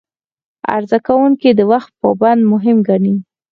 عرضه کوونکي د وخت پابندي مهم ګڼي.